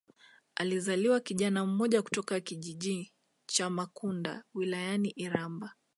Alizaliwa kijana mmoja kutoka kijiji cha Makunda wilayani Iramba